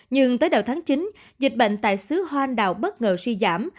nhưng tới đầu tháng chín dịch bệnh tại xứ hoan đạo bất ngờ suy giảm